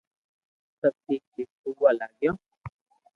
سب ٺيڪ ٺيڪ ھووا لاگيو